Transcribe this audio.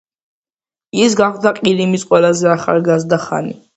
ის გახდა ყირიმის ყველაზე ახალგაზრდა ხანი.